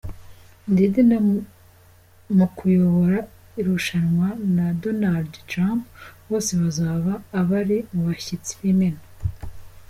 Diddy mu kuyobora irushanwa na Donald Trump bose bazaba abari mu bashyitsi bimena.